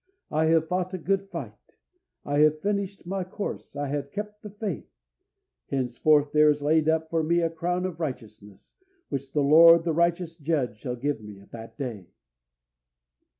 I have fought a good fight, I have finished my course, I have kept the faith; henceforth there is laid up for me a crown of righteousness, which the Lord, the righteous Judge, shall give me at that day."